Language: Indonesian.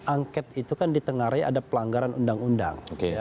angket itu kan di tengah raya ada pelanggaran undang undang